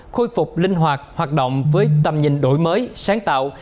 khôi phục linh hoạt hoạt động với tầm nhìn đổi mới sáng tạo